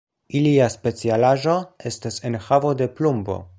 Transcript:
Ilia specialaĵo estas enhavo de plumbo.